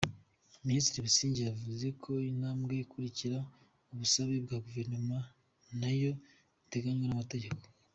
Minisitiri Busingye yavuze ko intambwe ikurikira ubusabe bwa Guverinoma nayo iteganywa n’amategeko.